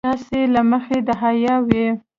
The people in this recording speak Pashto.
ستاسې له مخې د حيا وي.